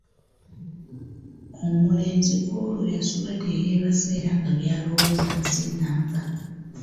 Omulenzi kw’olwo yasula teyeebase era nga by’alowooza nsi nnamba.